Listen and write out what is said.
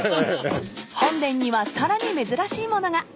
［本殿にはさらに珍しい物が］何？